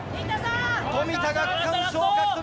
富田が区間賞獲得。